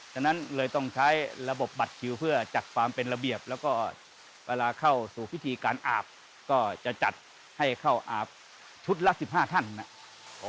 ฉะนั้นเลยต้องใช้ระบบบัตรคิวเพื่อจัดความเป็นระเบียบแล้วก็เวลาเข้าสู่พิธีการอาบก็จะจัดให้เข้าอาบชุดละ๑๕ท่านนะครับ